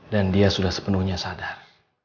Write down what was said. dan dia sudah sepenuhnya sadar